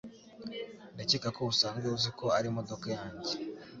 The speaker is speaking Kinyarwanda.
Ndakeka ko usanzwe uzi ko arimodoka yanjye.